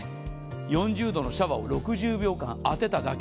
４０度のシャワーを６０秒間当てただけ。